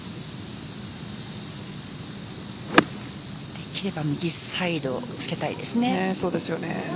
できれば右サイドにつけたいですね。